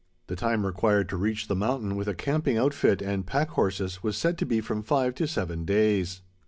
The time required to reach the mountain with a camping outfit and pack horses was said to be from five to seven days.